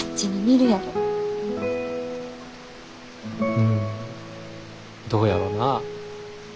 うんどうやろなぁ。